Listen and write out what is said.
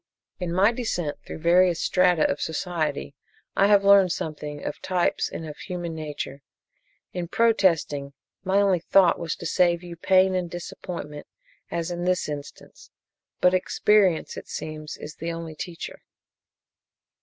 "In my descent through various strata of society I have learned something of types and of human nature. In protesting, my only thought was to save you pain and disappointment as in this instance but experience, it seems, is the only teacher.